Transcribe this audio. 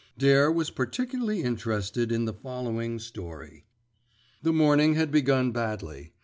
Dare was particularly interested in the following story:— The morning had begun badly.